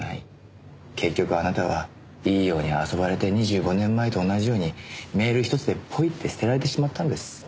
結局あなたはいいように遊ばれて２５年前と同じようにメールひとつでポイって捨てられてしまったんです。